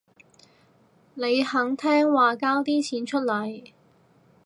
你肯聽話交啲錢出嚟